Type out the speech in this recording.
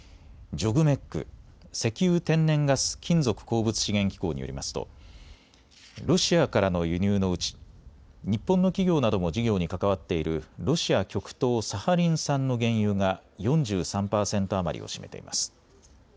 ＪＯＧＭＥＣ・石油天然ガス・金属鉱物資源機構によりますとロシアからの輸入のうち日本の企業なども事業に関わっているロシア極東サハリン産の原油が４３％余りを占めています。